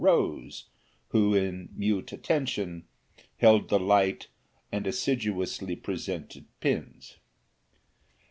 Rose, who, in mute attention, held the light and assiduously presented pins.